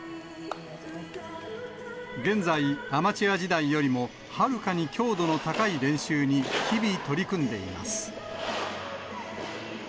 現在、アマチュア時代よりもはるかに強度の高い練習に日々取り組んでいます。